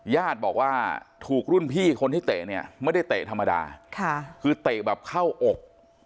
ญาติบอกว่าถูกรุ่นพี่คนที่เตะเนี่ยไม่ได้เตะธรรมดาค่ะคือเตะแบบเข้าอก